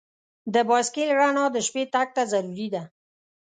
د بایسکل رڼا د شپې تګ ته ضروري ده.